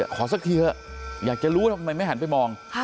สักทีเถอะอยากจะรู้ทำไมไม่หันไปมอง